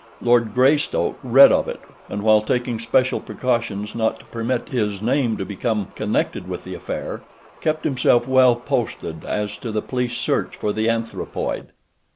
Lord Greystoke read of it, and while taking special precautions not to permit his name to become connected with the affair, kept himself well posted as to the police search for the anthropoid.